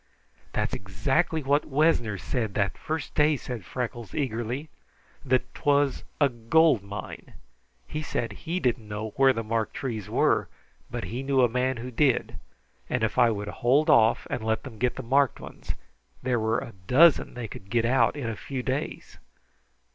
"That's exactly what Wessner said that first day," said Freckles eagerly. "That 'twas a 'gold mine'! He said he didn't know where the marked trees were, but he knew a man who did, and if I would hold off and let them get the marked ones, there were a dozen they could get out in a few days."